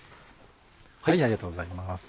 ありがとうございます。